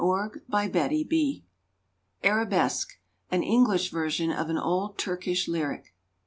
ARABESQUE (_An English Version of an old Turkish Lyric.